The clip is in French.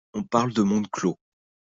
On parle de monde clos.